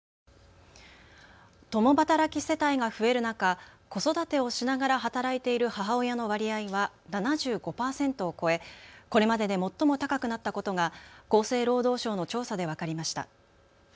共働き世帯が増える中、子育てをしながら働いている母親の割合は７５％を超え、これまでで最も高くなったことが厚生労働省の調査で分かりました。